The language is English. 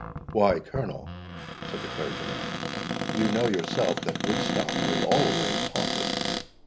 "Why, Colonel," said the clergyman, "you know yourself that Woodstock was always haunted?"